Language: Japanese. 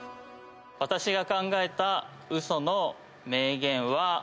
私が考えた嘘の名言は。